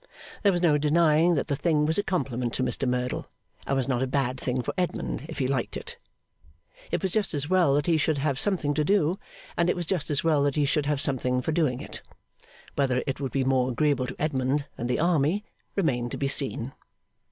There was no denying that the thing was a compliment to Mr Merdle, and was not a bad thing for Edmund if he liked it. It was just as well that he should have something to do, and it was just as well that he should have something for doing it. Whether it would be more agreeable to Edmund than the army, remained to be seen.